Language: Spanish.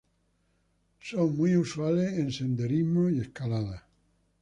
Son muy usuales en senderismo y escalada.